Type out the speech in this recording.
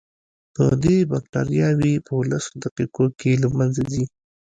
پدې کې بکټریاوې په لسو دقیقو کې له منځه ځي.